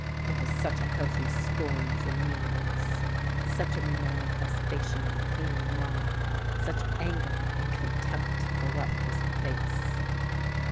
There was such a healthy scorn for meanness, such a manifestation of a clean mind, such anger and contempt for what was base.